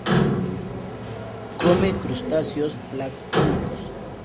Come crustáceos planctónicos.